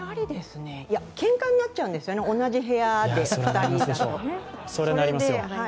けんかになっちゃうんですよね、同じ部屋で２人だと。